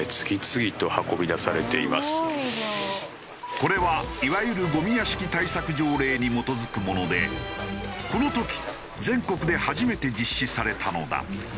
これはいわゆるゴミ屋敷対策条例に基づくものでこの時全国で初めて実施されたのだ。